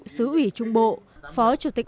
sứ ủy trung bộ phó chủ tịch